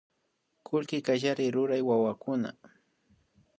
Kullki kallarik rurya wawakuna